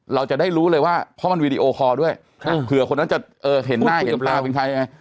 เราจะได้รู้เลยว่าเพราะว่ามันวีดีโอคอด้วยเผื่อคนนั้นจะเห็นหน้าเห็นตา